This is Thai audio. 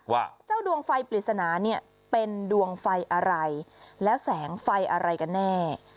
ว่าเจ้าดวงไฟปริศนาเนี่ยเป็นดวงไฟอะไรแล้วแสงไฟอะไรกันแน่